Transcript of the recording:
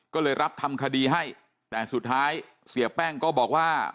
ก็เลยรับทำคดีให้แต่สุดท้ายเสียแป้งก็บอกว่า